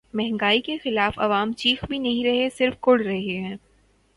مہنگائی کے خلاف عوام چیخ بھی نہیں رہے‘ صرف کڑھ رہے ہیں۔